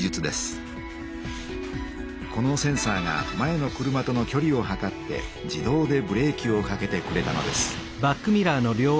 このセンサーが前の車とのきょりをはかって自動でブレーキをかけてくれたのです。